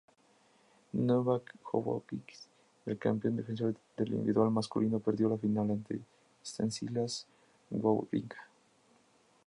Novak Djokovic, el campeón defensor del individual masculino, perdió la final ante Stanislas Wawrinka.